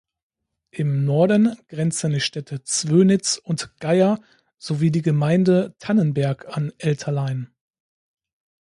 Im Norden grenzen die Städte Zwönitz und Geyer sowie die Gemeinde Tannenberg an Elterlein.